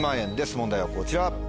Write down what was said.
問題はこちら。